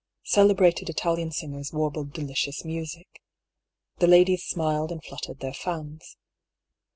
Celebrated Italian singers warbled delicipus music. The ladies smiled and fluttered their fans.